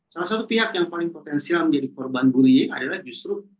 salah satu pihak yang paling potensial menjadi korban bullying adalah justru